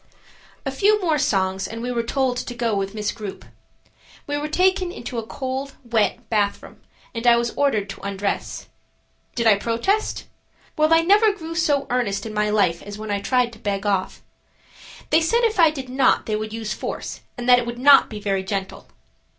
A FEW more songs and we were told to go with Miss Grupe. We were taken into a cold, wet bathroom, and I was ordered to undress. Did I protest? Well, I never grew so earnest in my life as when I tried to beg off. They said if I did not they would use force and that it would not be very gentle.